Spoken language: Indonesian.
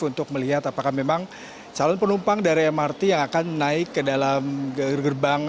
untuk melihat apakah memang calon penumpang dari mrt yang akan naik ke dalam gerbang